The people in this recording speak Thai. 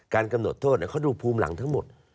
กำหนดโทษเขาดูภูมิหลังทั้งหมด